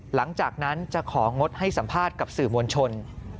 หลังจากนั้นจะของงดให้สัมภาษณ์กับสื่อมวลชน